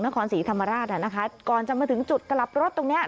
นครศรีธรรมราชอ่ะนะคะก่อนจะมาถึงจุดกลับรถตรงเนี้ย